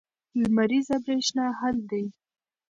لمریزه برېښنا حل دی.